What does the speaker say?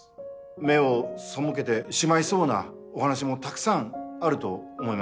目を背けてしまいそうなお話もたくさんあると思います。